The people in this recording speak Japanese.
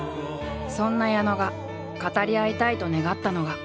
そんな矢野が語り合いたいと願ったのが。